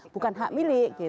bukan hak milik